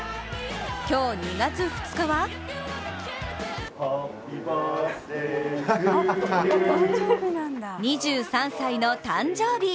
今日、２月２日は２３歳の誕生日！